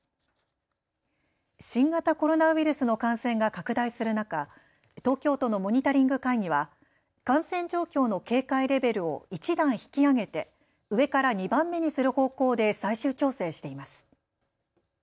新型コロナウイルスの感染が拡大する中、東京都のモニタリング会議は感染状況の警戒レベルを１段引き上げて上から２番目にする方向で最終調整しています。